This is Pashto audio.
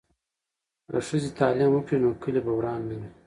که ښځې تعلیم وکړي نو کلي به وران نه وي.